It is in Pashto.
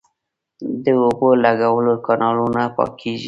د اوبو لګولو کانالونه پاکیږي